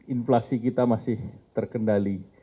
inflasi kita masih terkendali